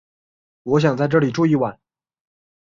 我想在这里住一晚